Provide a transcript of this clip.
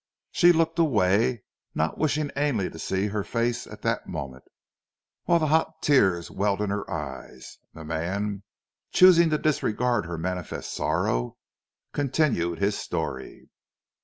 She looked away, not wishing Ainley to see her face at that moment, whilst the hot tears welled in her eyes, and the man, choosing to disregard her manifest sorrow, continued his story.